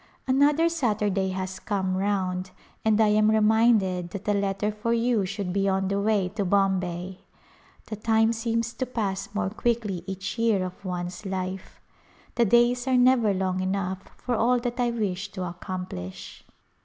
Another Saturday has come round and I am re minded that a letter for you should be on the way to Bombay. The time seems to pass more quickly each A Glimpse of India year of one's life. The days are never long enough for all that I wish to accomplish.